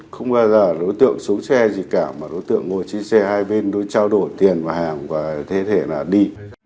không bao giờ đối tượng xuống xe gì cả mà đối tượng ngồi chia xe hai bên trao đổi tiền và hàng và thế thể là đi